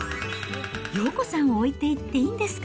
洋子さんを置いていっていいんですか？